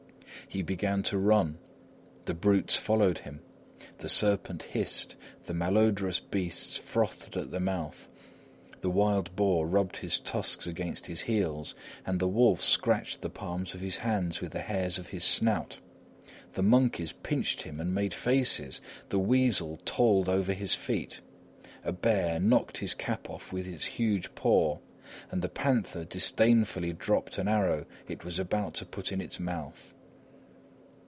He began to run; the brutes followed him. The serpent hissed, the malodorous beasts frothed at the mouth, the wild boar rubbed his tusks against his heels, and the wolf scratched the palms of his hands with the hairs of his snout. The monkeys pinched him and made faces, the weasel rolled over his feet. A bear knocked his cap off with its huge paw, and the panther disdainfully dropped an arrow it was about to put in its mouth.